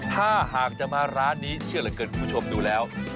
ถ้าหากจะมาร้านนี้เชื่อเหลือเกินคุณผู้ชมดูแล้ว